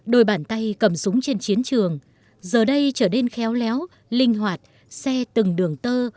đôi bàn tay cầm súng trên chiến trường giờ đây trở nên khéo léo linh hoạt xe từng đường tơ